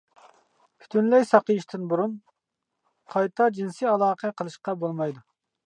پۈتۈنلەي ساقىيىشتىن بۇرۇن قايتا جىنسىي ئالاقە قىلىشقا بولمايدۇ.